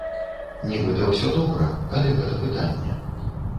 Нібыта ўсё добра, але гэта пытанне.